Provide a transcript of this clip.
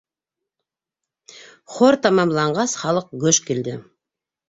Хор тамамланғас, халыҡ гөж килде.